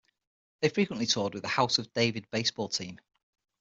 They frequently toured with the House of David baseball team.